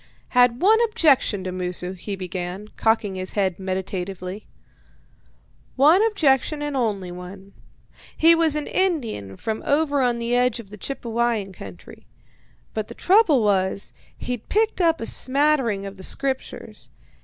"Had one objection to Moosu," he began, cocking his head meditatively "one objection, and only one. He was an Indian from over on the edge of the Chippewyan country, but the trouble was, he'd picked up a smattering of the Scriptures.